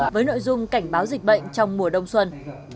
với nội dung cảnh báo dịch bệnh trong mùa đông xuân